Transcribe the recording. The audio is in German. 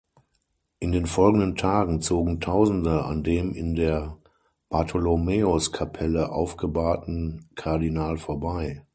In den folgenden Tagen zogen Tausende an dem in der Bartholomäuskapelle aufgebahrten Kardinal vorbei.